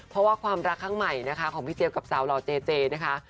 เพราะว่าความรักครั้งใหม่นะคะของพี่เจี๊ยบกับสาวหล่อเจเจนะคะ